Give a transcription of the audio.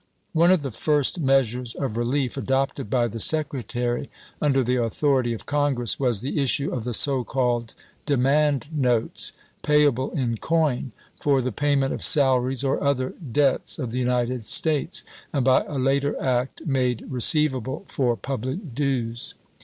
One of the first measures of rehef adopted by the Secretary under the authority of Congress was the issue of the so called " demand notes/' payable in coin, for the payment of salaries or other debts of the United States, and by a later act made re ceivable for public dues.